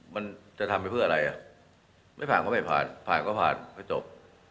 มันจะทำไปเพื่ออะไรอ่ะไม่ผ่านก็ไม่ผ่านผ่านก็ผ่านให้จบ